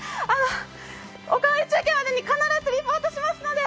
「おかわり中継」までに必ずリポートしますので。